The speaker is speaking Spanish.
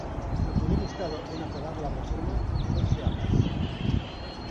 El primer estado en aprobar la reforma fue Chiapas.